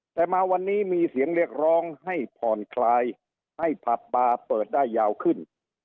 แต่มาวันนี้มีเสียงเรียกร้องให้ผ่อนคลายให้ผับบาร์เปิดได้ยาวขึ้น